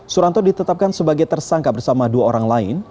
suranto ditetapkan sebagai tersangka bersama dua orang lain